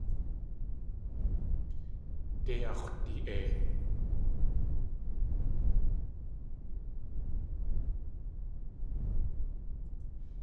Dei ax̲wdi.ei.